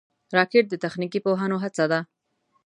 راکټ د تخنیکي پوهانو هڅه ده